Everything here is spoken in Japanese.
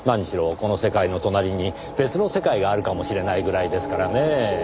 この世界の隣に別の世界があるかもしれないぐらいですからねぇ。